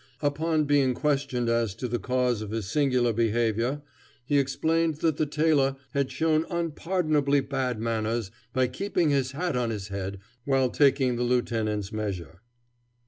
Upon being questioned as to the cause of his singular behavior, he explained that the tailor had shown unpardonably bad manners by keeping his hat on his head while taking the lieutenant's measure.